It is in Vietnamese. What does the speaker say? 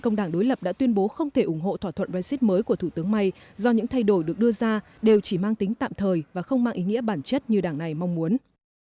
công đảng đối lập đã tuyên bố không thể ủng hộ thỏa thuận brexit mới của thủ tướng may do những thay đổi được đưa ra đều chỉ mang tính tạm thời và không mang ý nghĩa bản chất như đảng này mong muốn